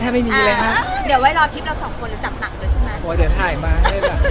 แสดงว่าเราหากเวลาไม่เจอเลขตลง